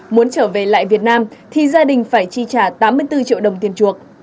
muốn trở về lại việt nam thì gia đình phải chi trả tám mươi bốn triệu đồng tiền chuộc